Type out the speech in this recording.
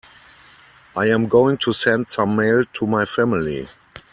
I am going to send some mail to my family.